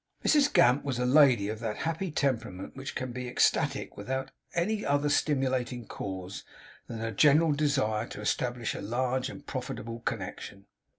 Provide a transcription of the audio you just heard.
Mrs Gamp was a lady of that happy temperament which can be ecstatic without any other stimulating cause than a general desire to establish a large and profitable connection.